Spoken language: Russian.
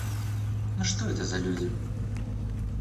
Ну что это за люди?